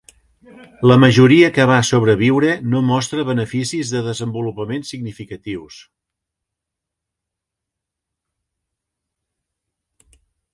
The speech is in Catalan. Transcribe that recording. La majoria que va sobreviure no mostra beneficis de desenvolupament significatius.